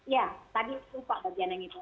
ya tadi lupa bagian yang itu